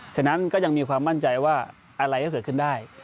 ฉะนั้นก็ยังมีความมั่นใจว่าอะไรก็เกิดขึ้นได้